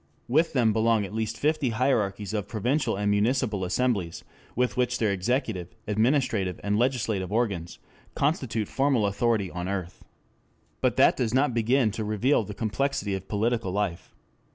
With them belong at least fifty hierarchies of provincial and municipal assemblies, which with their executive, administrative and legislative organs, constitute formal authority on earth. But that does not begin to reveal the complexity of political life.